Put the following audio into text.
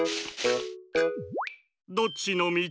どっちのみち？